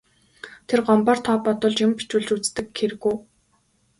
Тэр Гомбоор тоо бодуулж, юм бичүүлж үздэг хэрэг үү.